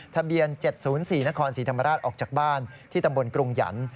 ทะเบียน๗๐๔นครศรีธรรมราชออกจากบ้านที่ตำบลกรุงหยันต์